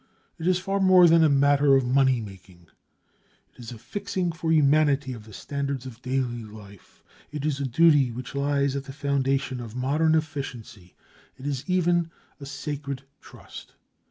It is far more than a matter of moneymaking; it is a fixing for humanity of the standards of daily life; it is a duty which lies at the foundation of modern efficiency; it is even a sacred trust.